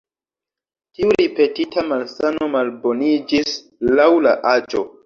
Tiu ripetita malsano malboniĝis laŭ la aĝo.